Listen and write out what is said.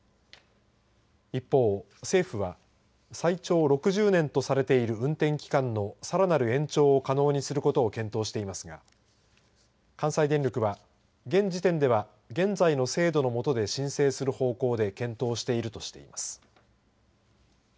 一方、政府は最長６０年とされている運転期間のさらなる延長を可能にすることを検討していますが関西電力は現時点では現在の制度の下で申請する方向で検討するとしています。